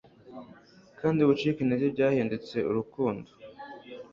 Kandi gucika intege byahindutse urukundo